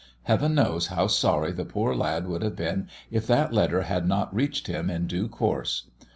Heaven knows how sorry the poor lad would have been if that letter had not reached him in due course.